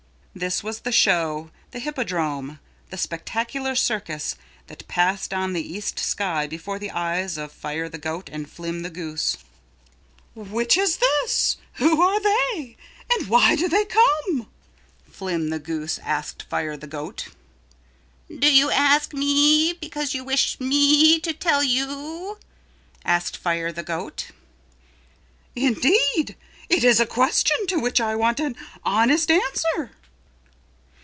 This was the show, the hippodrome, the spectacular circus that passed on the east sky before the eyes of Fire the Goat and Flim the Goose. "Which is this, who are they and why do they come?" Flim the Goose asked Fire the Goat. [Illustration: Away off where the sun was coming up, there were people and animals] "Do you ask me because you wish me to tell you?" asked Fire the Goat. "Indeed it is a question to which I want an honest answer."